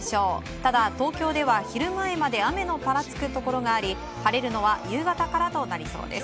ただ東京では、昼前まで雨のぱらつくところがあり晴れるのは夕方からとなりそうです。